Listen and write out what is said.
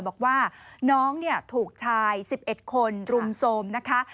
บอกว่าน้องถูกชาย๑๑คนรุมโทรมนะคะ